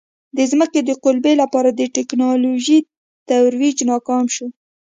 د ځمکې د قُلبې لپاره د ټکنالوژۍ ترویج ناکام شو.